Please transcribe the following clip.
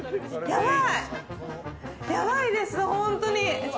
やばいです本当に。